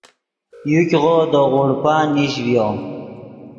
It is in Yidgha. یوګیغو دے غوڑپہ نیش ڤیو